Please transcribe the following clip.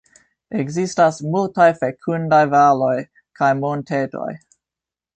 Ekzistas multaj fekundaj valoj kaj montetoj.